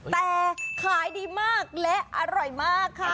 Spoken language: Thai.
แต่ขายดีมากและอร่อยมากค่ะ